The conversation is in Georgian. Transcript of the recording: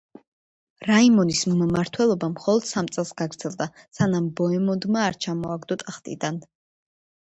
რაიმონის მმართველობა მხოლოდ სამ წელს გაგრძელდა, სანამ ბოემონდმა არ ჩამოაგდო ტახტიდან.